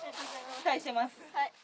期待してます。